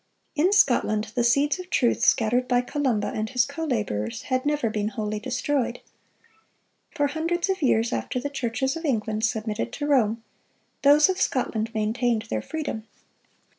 (367) In Scotland the seeds of truth scattered by Columba and his co laborers had never been wholly destroyed. For hundreds of years after the churches of England submitted to Rome, those of Scotland maintained their freedom.